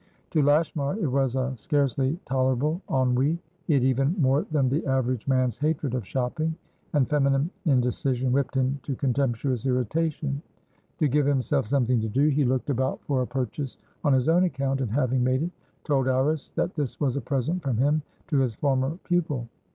To Lashmar it was a scarcely tolerable ennui; he had even more than the average man's hatred of shopping, and feminine indecision whipped him to contemptuous irritation. To give himself something to do, he looked about for a purchase on his own account, and, having made it, told Iris that this was a present from him to his former pupil.